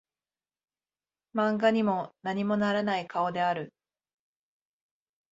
漫画にも何もならない顔である